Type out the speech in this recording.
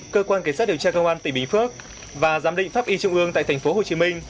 cơ quan cảnh sát điều tra công an tỉnh bình phước và giám định pháp y trung ương tại tp hcm